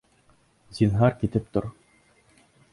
Зинһар, китеп тор.